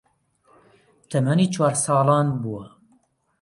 تەمەنی چوار ساڵان بووە